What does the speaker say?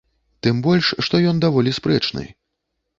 Тым больш што ён даволі спрэчны.